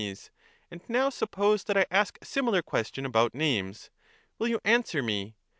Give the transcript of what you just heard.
And now suppose that I ask a similar question about names: will you answer me?